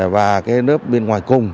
và nớp bên ngoài cùng